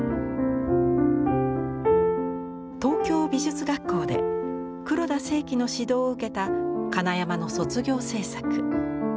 東京美術学校で黒田清輝の指導を受けた金山の卒業制作。